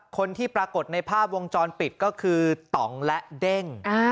คนที่ปรากฏในภาพวงจรปิดก็คือต่องและเด้ง